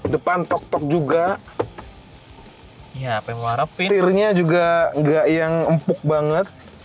depan tok tok juga pirinya juga enggak yang empuk banget